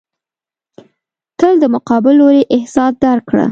تل د مقابل لوري احساس درک کړه.